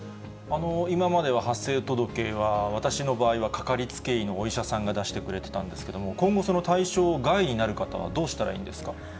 今までは発生届は、私の場合はかかりつけ医のお医者さんが出してくれてたんですけれども、今後、その対象外になる方は、どうしたらいいんですか。